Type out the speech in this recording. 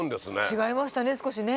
違いましたね少しね。